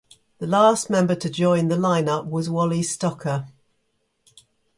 The last member to join the line-up was Wally Stocker.